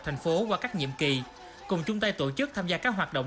thành phố qua các nhiệm kỳ cùng chung tay tổ chức tham gia các hoạt động